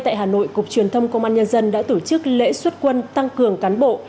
tại hà nội cục truyền thông công an nhân dân đã tổ chức lễ xuất quân tăng cường cán bộ